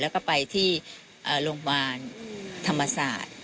แล้วก็ไปที่โรงพยาบาลธรรมศาสตร์